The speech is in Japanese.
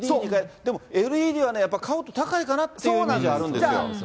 でもＬＥＤは買うと高いかなっていうイメージがあるんですよ。